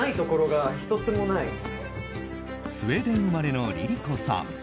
スウェーデン生まれのＬｉＬｉＣｏさん。